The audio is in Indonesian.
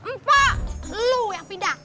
mpa lu yang pindah